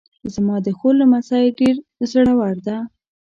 زما د خور لمسی ډېر زړور ده